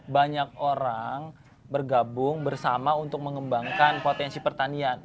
banyak orang bergabung bersama untuk mengembangkan potensi pertanian